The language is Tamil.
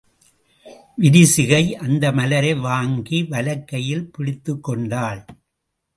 விரிசிகை அந்த மலரை வாங்கி வலக்கையில் பிடித்துக் கொண்டாள்.